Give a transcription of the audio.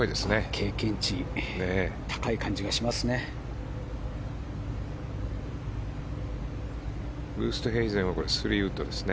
経験値高い感じがしますね。